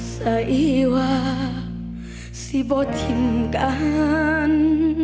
สัยวาซี่บทิมกัน